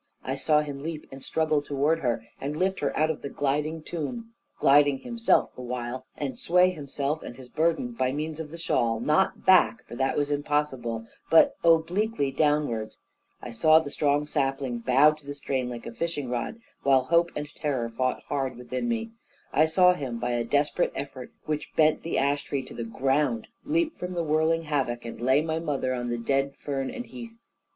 I saw him leap and struggle towards her, and lift her out of the gliding tomb, gliding himself the while, and sway himself and his burden, by means of the shawl, not back (for that was impossible), but obliquely downwards; I saw the strong sapling bow to the strain like a fishing rod, while hope and terror fought hard within me; I saw him, by a desperate effort, which bent the ash tree to the ground, leap from the whirling havoc, and lay my mother on the dead fern and heath.